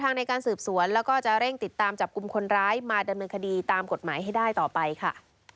ในการสืบสวนแล้วก็จะเร่งติดตามจับกลุ่มคนร้ายมาดำเนินคดีตามกฎหมายให้ได้ต่อไปค่ะ